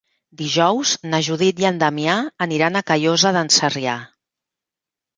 Dijous na Judit i en Damià aniran a Callosa d'en Sarrià.